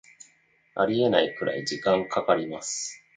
ありえないくらい時間かかります